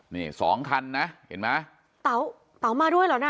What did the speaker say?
นี่สองคันนะเห็นไหมเต๋าเต๋ามาด้วยเหรอน่ะ